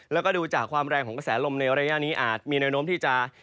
แล้วก็ดูจากความแรงของกระแสลมในระยะนี้อาจมีแนวโน้มที่จะ